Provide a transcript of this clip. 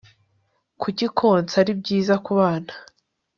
kuki konsa ari byiza ku bana